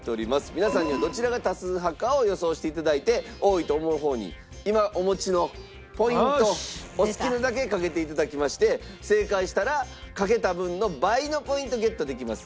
皆さんにはどちらが多数派かを予想して頂いて多いと思う方に今お持ちのポイントをお好きなだけかけて頂きまして正解したらかけた分の倍のポイントをゲットできます。